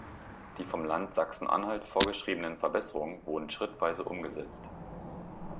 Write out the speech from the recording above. Die vom Land Sachsen-Anhalt vorgeschriebenen Verbesserungen wurden schrittweise umgesetzt.